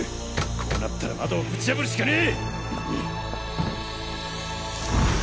こうなったら窓をぶちやぶるしかねえ！